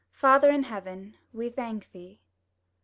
Father in heaven, we thank Thee!